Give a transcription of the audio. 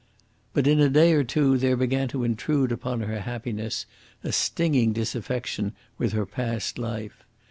But in a day or two there began to intrude upon her happiness a stinging dissatisfaction with her past life.